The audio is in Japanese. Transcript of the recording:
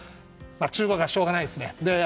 中国はしょうがないですね。